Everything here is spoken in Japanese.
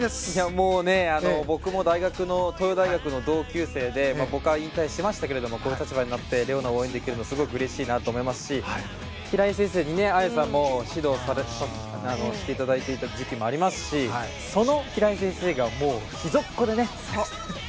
もう、僕も東洋大学の同級生で僕は引退しましたけれどもこの立場になって玲緒樹を応援できるのがすごくうれしいなと思いますし平井先生に、綾さんも指導していただいていた時期もありますしその平井先生の秘蔵っ子でね。